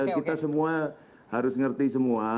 kita semua harus mengerti semua